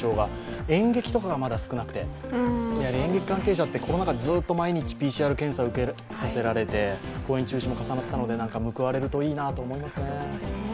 演劇とかがまだ少なくて、やはり演劇関係者ってコロナ禍でずっと毎日ＰＣＲ検査をさせられて公演中止も重なったので報われるといいなと思いますね。